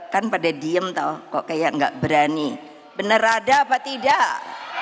kan pada diem tau kok kayak nggak berani bener ada apa tidak